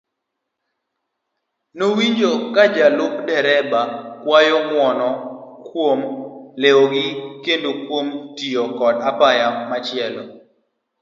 Nowinjo kajalup dereba kwayo ng'uono kuom lewogi kendo kuom tiyo koda apaya machielo.